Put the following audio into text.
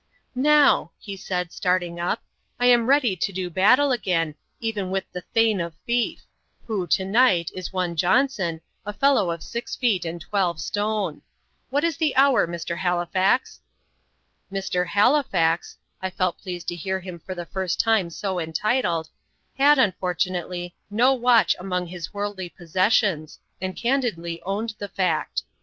"Now," he said, starting up, "I am ready to do battle again, even with the Thane of Fife who, to night, is one Johnson, a fellow of six feet and twelve stone. What is the hour, Mr. Halifax?" "Mr. Halifax" (I felt pleased to hear him for the first time so entitled) had, unfortunately, no watch among his worldly possessions, and candidly owned the fact.